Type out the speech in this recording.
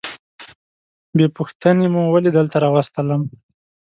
بې پوښتنې مو ولي دلته راوستلم؟